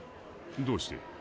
どうして？